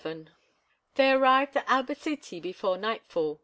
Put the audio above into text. XI They arrived at Albacete before nightfall.